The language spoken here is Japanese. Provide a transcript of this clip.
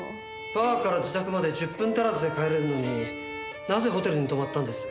バーから自宅まで１０分足らずで帰れるのになぜホテルに泊まったんです？